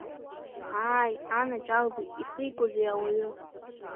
Ааи, анаџьалбеит, ихигозеи ауаҩы.